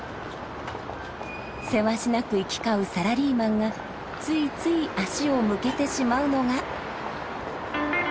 せわしなく行き交うサラリーマンがついつい足を向けてしまうのが。